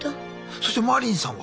そしてマリンさんは？